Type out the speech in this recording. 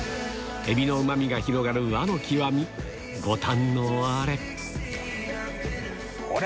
エビのうまみが広がる和の極みご堪能あれこれ